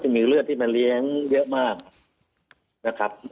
มีเลือดที่มันเรียงเยอะมาก